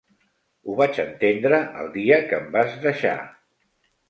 Ho vaig entendre el dia que em vas deixar.